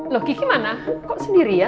loh kiki mana kok sendirian